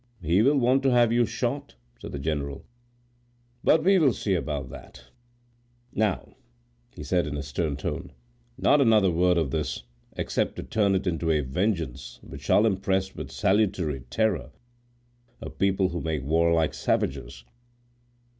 "He will want to have you shot," said the general; "but we will see about that. Now," he added in a stern tone, "not another word of this, except to turn it into a vengeance which shall impress with salutary terror a people who make war like savages."